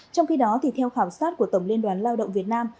trong khi đó theo khảo sát của tổng liên đoàn lao động việt nam